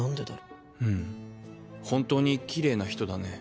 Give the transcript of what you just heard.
うん本当にきれいな人だね。